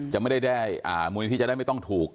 จะไม่ได้มูลนิธิจะได้ไม่ต้องถูก